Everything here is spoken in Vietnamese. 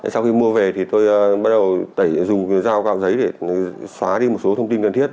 sau khi mua về thì tôi bắt đầu tẩy dùng dao vào giấy để xóa đi một số thông tin cần thiết